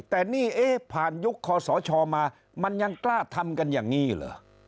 แต่นี่เอ๊ะผ่านยุคคอสชมามันยังกล้าทำกันอย่างนี้เหรอ